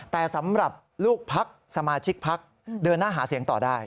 แต่สำหรับลูกพักสมาชิกพักเดินหน้าหาเสียงต่อได้